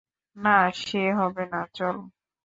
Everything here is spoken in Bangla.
না, সে হবে না–চলো।